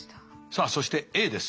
さあそしてＡです。